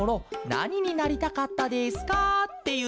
なにになりたかったですか？」っていうしつもんだケロ。